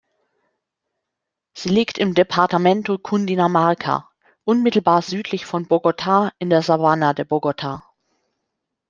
Sie liegt im Departamento Cundinamarca, unmittelbar südlich von Bogotá in der Sabana de Bogotá.